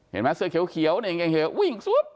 เห็นมั้ยเสื้อเขียวเหน่ายังแคงเหนียววิ่งซุ่บ